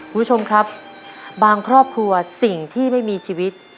คุณผู้ชมครับบางครอบครัวสิ่งที่ไม่มีชีวิต